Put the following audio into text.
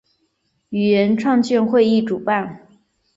语言创建会议主办。